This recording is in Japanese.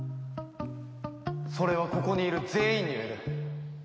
それはここにいる全員に言える。